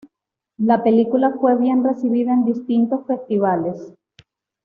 La película fue bien recibida en distintos festivales.